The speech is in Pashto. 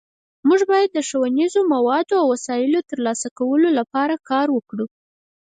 مونږ باید د ښوونیزو موادو او وسایلو د ترلاسه کولو لپاره کار وکړو